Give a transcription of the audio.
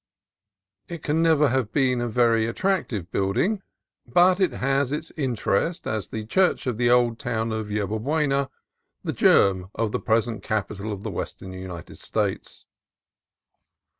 It never can have been a very at tractive building, but it has its interest as the church of the old town of Yerba Buena, the germ of the present capital of the Western United States.